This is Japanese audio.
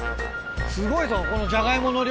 すごいぞこのじゃがいもの量。